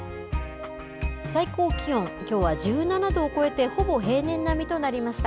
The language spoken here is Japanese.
最高気温きょうは１７度を超えて、ほぼ平年並みとなりました。